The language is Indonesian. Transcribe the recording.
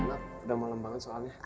udah malem banget soalnya